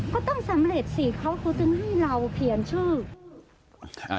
ก็ต้องสำเร็จสิเขาก็ต้องให้เราเขียนชื่อ